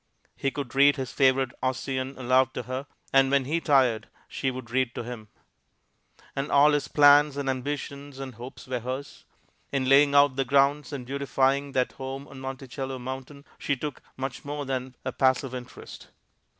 He could read his favorite Ossian aloud to her, and when he tired she would read to him; and all his plans and ambitions and hopes were hers. In laying out the grounds and beautifying that home on Monticello mountain, she took much more than a passive interest.